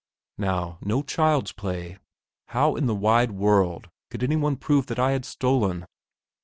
Now, no child's play. How in the wide world could any one prove that I had stolen?